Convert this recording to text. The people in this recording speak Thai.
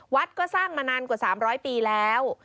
วัดก็สร้างมานานกว่า๓๐๐ปีแล้ว